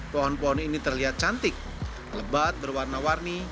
pohon pohon ini terlihat cantik lebat berwarna warni